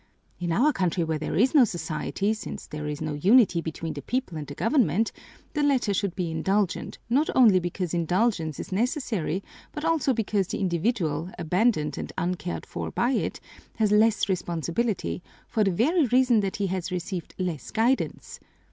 In our country, where there is no society, since there is no unity between the people and the government, the latter should be indulgent, not only because indulgence is necessary but also because the individual, abandoned and uncared for by it, has less responsibility, for the very reason that he has received less guidance.